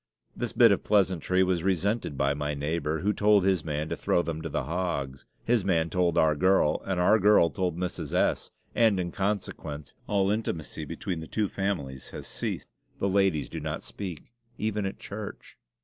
This bit of pleasantry was resented by my neighbor, who told his man to throw them to the hogs. His man told our girl, and our girl told Mrs. S., and, in consequence, all intimacy between the two families has ceased; the ladies do not speak, even at church.